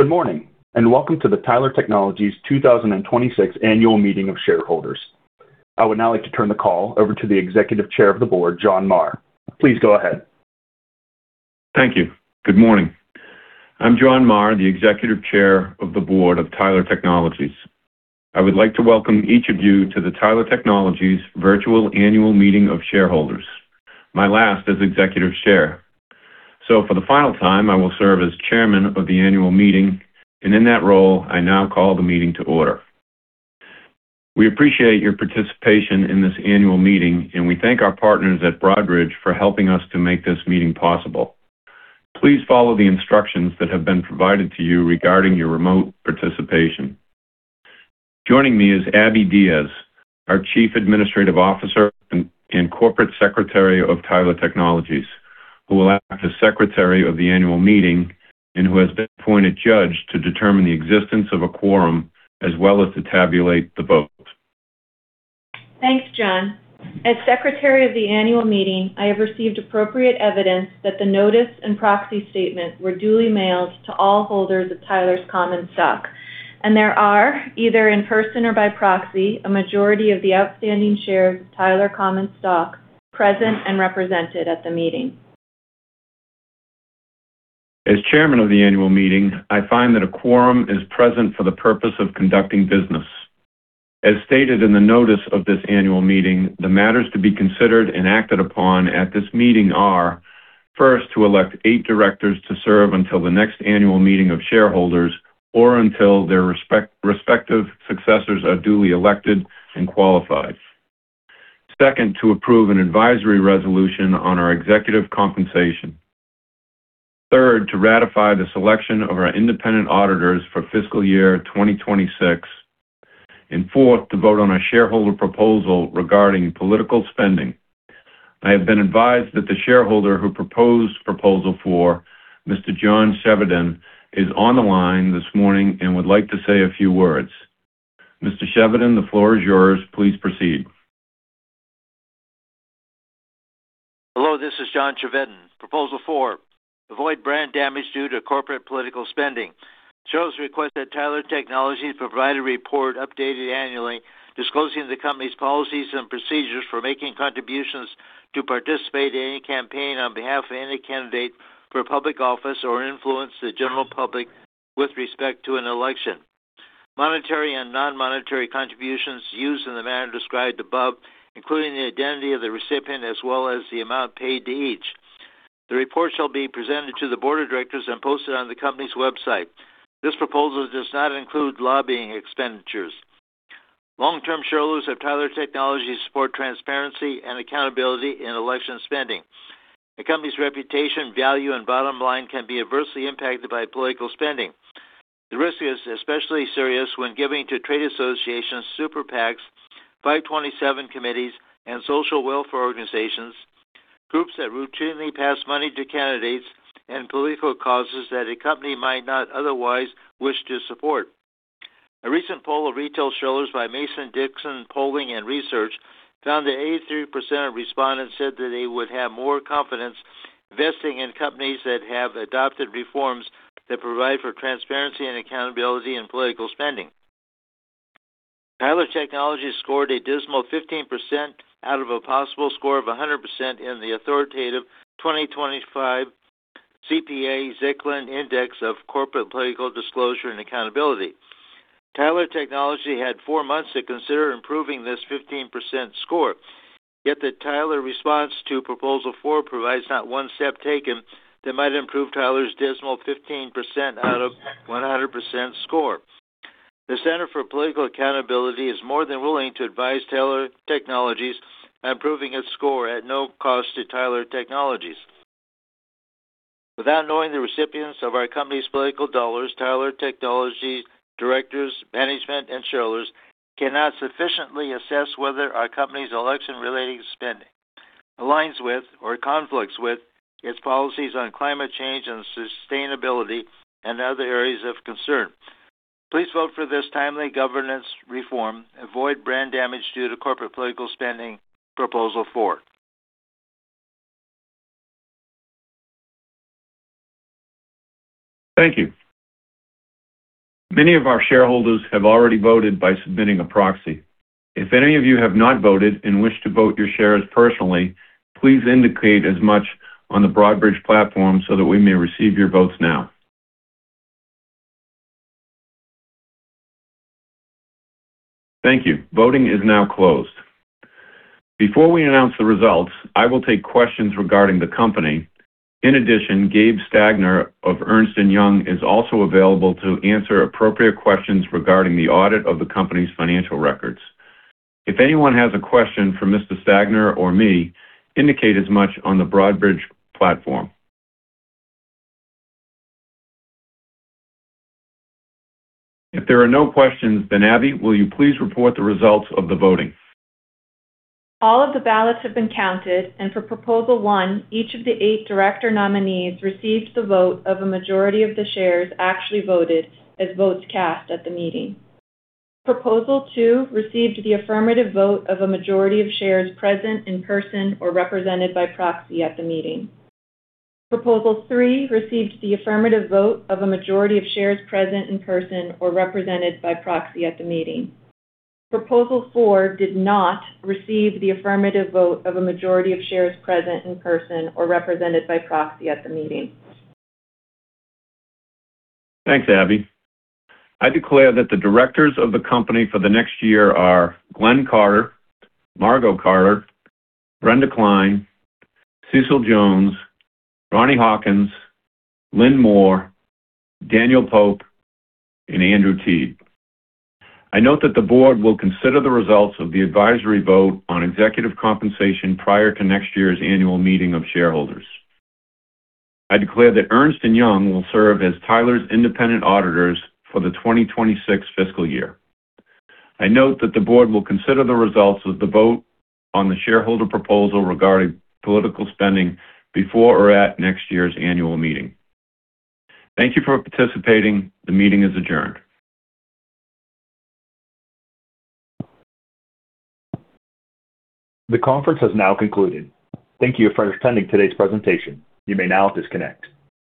Good morning, welcome to the Tyler Technologies 2026 annual meeting of shareholders. I would now like to turn the call over to the Executive Chairman of the Board, John Marr. Please go ahead. Thank you. Good morning. I'm John Marr, the Executive Chair of the Board of Tyler Technologies. I would like to welcome each of you to the Tyler Technologies Virtual Annual Meeting of Shareholders, my last as Executive Chair. For the final time, I will serve as Chairman of the annual meeting, and in that role, I now call the meeting to order. We appreciate your participation in this annual meeting, and we thank our partners at Broadridge Financial Solutions for helping us to make this meeting possible. Please follow the instructions that have been provided to you regarding your remote participation. Joining me is Abby Diaz, our Chief Administrative Officer and Corporate Secretary of Tyler Technologies, who will act as Secretary of the annual meeting and who has been appointed judge to determine the existence of a quorum as well as to tabulate the votes. Thanks, John. As Secretary of the annual meeting, I have received appropriate evidence that the notice and proxy statement were duly mailed to all holders of Tyler's common stock. There are, either in person or by proxy, a majority of the outstanding shares of Tyler common stock present and represented at the meeting. As chairman of the annual meeting, I find that a quorum is present for the purpose of conducting business. As stated in the notice of this annual meeting, the matters to be considered and acted upon at this meeting are: First, to elect eight directors to serve until the next annual meeting of shareholders or until their respective successors are duly elected and qualified. Second, to approve an advisory resolution on our executive compensation. Third, to ratify the selection of our independent auditors for fiscal year 2026. Fourth, to vote on a shareholder proposal regarding political spending. I have been advised that the shareholder who proposed Proposal four, Mr. John Chevedden, is on the line this morning and would like to say a few words. Mr. Chevedden, the floor is yours. Please proceed. Hello, this is John Chevedden. Proposal four, avoid brand damage due to corporate political spending. Shares request that Tyler Technologies provide a report updated annually, disclosing the company's policies and procedures for making contributions to participate in any campaign on behalf of any candidate for public office or influence the general public with respect to an election. Monetary and non-monetary contributions used in the manner described above, including the identity of the recipient as well as the amount paid to each. The report shall be presented to the Board of Directors and posted on the company's website. This proposal does not include lobbying expenditures. Long-term shareholders of Tyler Technologies support transparency and accountability in election spending. The company's reputation, value, and bottom line can be adversely impacted by political spending. The risk is especially serious when giving to trade associations, super PACs, 527 committees, and social welfare organizations, groups that routinely pass money to candidates and political causes that a company might not otherwise wish to support. A recent poll of retail shareholders by Mason-Dixon Polling & Strategy found that 83% of respondents said that they would have more confidence investing in companies that have adopted reforms that provide for transparency and accountability in political spending. Tyler Technologies scored a dismal 15% out of a possible score of 100% in the authoritative 2025 CPA-Zicklin Index of Corporate Political Disclosure and Accountability. Tyler Technologies had four months to consider improving this 15% score. Yet the Tyler response to Proposal four provides not one step taken that might improve Tyler's dismal 15% out of 100% score. The Center for Political Accountability is more than willing to advise Tyler Technologies on improving its score at no cost to Tyler Technologies. Without knowing the recipients of our company's political dollars, Tyler Technologies directors, management, and shareholders cannot sufficiently assess whether our company's election-related spending aligns with or conflicts with its policies on climate change and sustainability and other areas of concern. Please vote for this timely governance reform. Avoid brand damage due to corporate political spending, Proposal four. Thank you. Many of our shareholders have already voted by submitting a proxy. If any of you have not voted and wish to vote your shares personally, please indicate as much on the Broadridge platform so that we may receive your votes now. Thank you. Voting is now closed. Before we announce the results, I will take questions regarding the company. In addition, Gabe Stagner of Ernst & Young is also available to answer appropriate questions regarding the audit of the company's financial records. If anyone has a question for Mr. Stagner or me, indicate as much on the Broadridge platform. If there are no questions, Abby, will you please report the results of the voting? All of the ballots have been counted. For Proposal one, each of the eight director nominees received the vote of a majority of the shares actually voted as votes cast at the meeting. Proposal two received the affirmative vote of a majority of shares present in person or represented by proxy at the meeting. Proposal three received the affirmative vote of a majority of shares present in person or represented by proxy at the meeting. Proposal four did not receive the affirmative vote of a majority of shares present in person or represented by proxy at the meeting. Thanks, Abby. I declare that the directors of the company for the next year are Glen Carter, Margo Carter, Brenda Klein, Cecil Jones, Ronnie Hawkins, Lynn Moore, Daniel Pope, and Andrew Teeb. I note that the board will consider the results of the advisory vote on executive compensation prior to next year's annual meeting of shareholders. I declare that Ernst & Young will serve as Tyler's independent auditors for the 2026 fiscal year. I note that the board will consider the results of the vote on the shareholder proposal regarding political spending before or at next year's annual meeting. Thank you for participating. The meeting is adjourned. The conference has now concluded. Thank you for attending today's presentation. You may now disconnect.